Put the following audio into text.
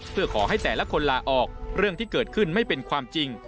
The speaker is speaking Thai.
เพื่อขอให้แต่ละคนลาออกเรื่องที่เกิดขึ้นไม่เป็นความจริง